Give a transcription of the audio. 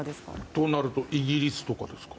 となるとイギリスですか。